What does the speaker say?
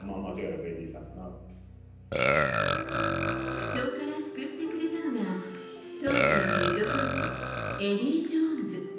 不調から救ってくれたのが当時のヘッドコーチエディー・ジョーンズ。